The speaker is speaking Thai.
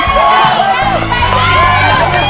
เร็วเร็วเร็ว